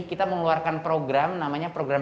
kita mengeluarkan program namanya program